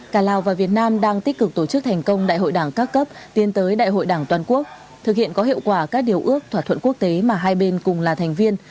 cả lào và việt nam đang tích cực tổ chức thành công đại hội đảng các cấp tiến tới đại hội đảng toàn quốc thực hiện có hiệu quả các điều ước thỏa thuận quốc tế mà hai bên cùng là thành viên